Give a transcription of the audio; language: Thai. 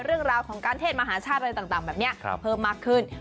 เรื่องราวของการเทศมหาชาติอะไรต่างแบบนี้เพิ่มมากขึ้น